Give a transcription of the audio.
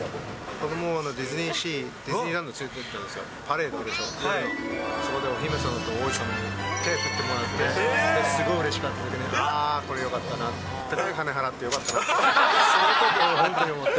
子どもをディズニーシー、ディズニーランド連れて行ったんですよ、パレードあるでしょ、そこでお姫様と王子様に手振ってもらって、すごいうれしがっていたときに、ああ、これよかったなって、高い金払ってよかったなって、そのとき思った。